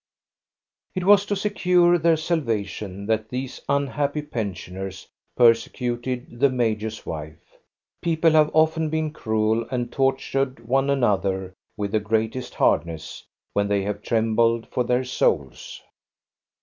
It was to secure their salvation that these unhappy pensioners persecuted the major's wife. People have often been cruel and tortured one another with the greatest hardness, when they have trembled for their souls.